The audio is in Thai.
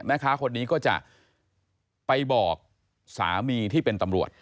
แม่ค้าคนนี้ก็จะไปบอกสามีที่เป็นตำรวจ